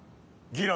ギラ！」